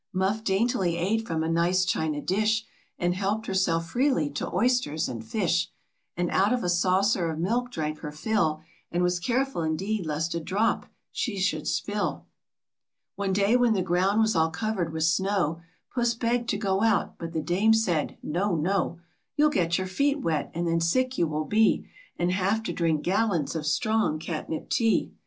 Muff daintily ate from a nice china dish, And helped herself freely to oysters and fish, And out of a saucer of milk drank her fill, And was careful indeed lest a drop she should spill, 256 DAME TROT AND HER COMICAL CAT. 257 DAME TROT AND HER COMICAL CAT . One day when the ground was all covered with snow, Puss begged to go out, but the Dame said " No, no! You'll get your feet wet, and then sick you will be, And have to drink gallons of strong catnip tea.